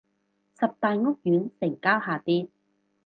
十大屋苑成交下跌